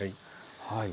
はい。